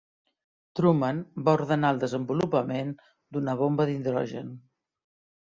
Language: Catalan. Truman va ordenar el desenvolupament d"una bomba d"hidrogen.